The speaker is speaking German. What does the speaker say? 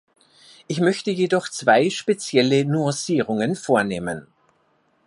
Ich möchte jedoch zwei spezielle Nuancierungen vornehmen.